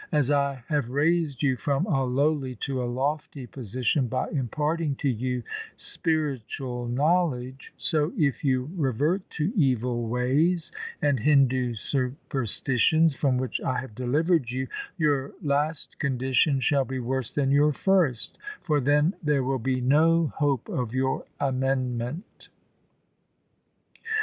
As I have raised you from a lowly to a lofty position by imparting to you spiritual knowledge, so if you revert to evil ways and Hindu superstitions from which I have delivered you, your last condition shall be worse than your first, for then there will be no hope of your amendment.'